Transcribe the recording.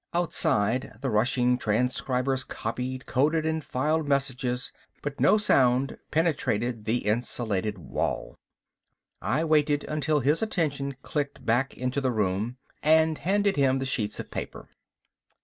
Outside the rushing transcribers copied, coded and filed messages, but no sound penetrated the insulated wall. I waited until his attention clicked back into the room, and handed him the sheets of paper.